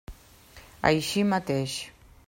Així mateix.